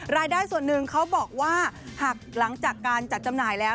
รายได้ส่วนหนึ่งเขาบอกว่าหากหลังจากการจัดจำหน่ายแล้ว